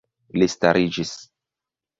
Li stariĝis.